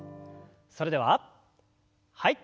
それでははい。